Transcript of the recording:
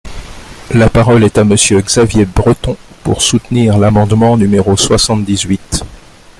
La parole est à Monsieur Xavier Breton, pour soutenir l’amendement numéro soixante-dix-huit.